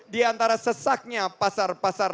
di antara sesaknya pasar pasar